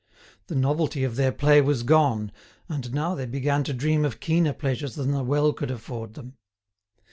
The novelty of their play was gone, and now they began to dream of keener pleasures than the well could afford them.